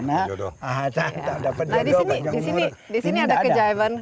nah di sini ada keajaiban